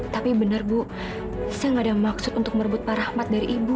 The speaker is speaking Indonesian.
tapi benar bu saya gak ada maksud untuk merebut pak rahmat dari ibu